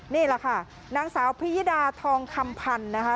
นี่แหละค่ะนางสาวพิยดาทองคำพันธ์นะคะ